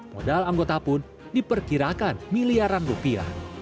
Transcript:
modal anggota pun diperkirakan miliaran rupiah